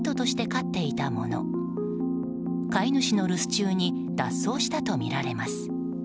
飼い主の留守中に脱走したとみられます。